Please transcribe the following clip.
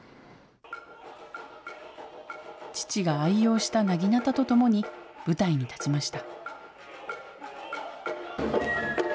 父が愛用したなぎなたとともに舞台に立ちました。